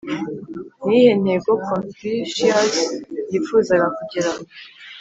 ni iyihe ntego confucius yifuzaga kugeraho?